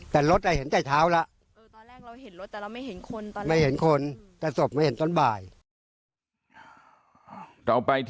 แต่รถได้เห็นใจเท้าแล้ว